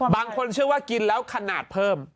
บางคนเชื่อว่ากินแล้วขนาดเพิ่ม